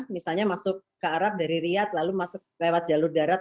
misalnya masuk ke arab dari riyad lalu masuk lewat jalur darat